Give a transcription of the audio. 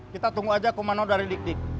kita tunggu aja komando dari dik dik